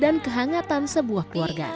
dan kehangatan sebuah keluarga